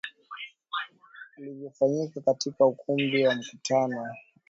yaliyofanyika katika ukumbi wa mikutano wa kimataifa ya waandishi wa habari uliopo Arusha